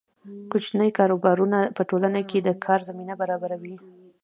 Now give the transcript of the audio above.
کوچني کاروبارونه په ټولنه کې د کار زمینه برابروي.